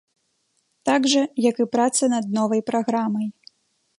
Так жа, як і праца над новай праграмай.